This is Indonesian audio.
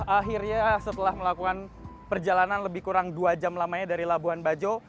akhirnya setelah melakukan perjalanan lebih kurang dua jam lamanya dari labuan bajo